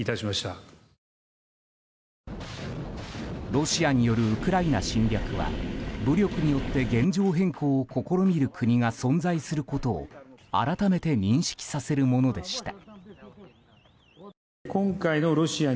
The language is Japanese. ロシアによるウクライナ侵略は武力によって現状変更を試みる国が存在することを改めて認識させるものでした。